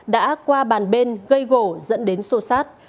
đã qua bàn bên gây gỗ dẫn đến sô sát